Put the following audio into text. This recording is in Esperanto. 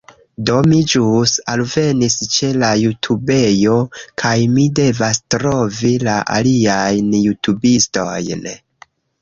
Do, mi ĵus alvenis ĉe la jutubejo kaj mi devas trovi la aliajn jutubistojn